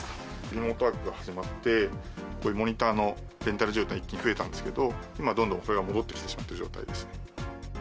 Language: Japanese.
リモートワークが始まって、こういうモニターのレンタル需要が一気に増えたんですけど、今はどんどんそれが戻ってきている状態ですね。